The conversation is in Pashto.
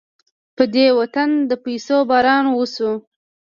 په دې وطن د پيسو باران وشو.